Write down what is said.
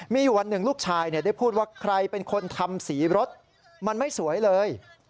มีอยู่วันหนึ่งลูกชายได้พูดว่าใครเป็นคนทำสีรถมันไม่สวยเลย